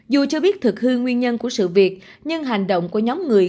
dù chưa biết thực hư nguyên nhân của sự việc nhưng hành động của nhóm người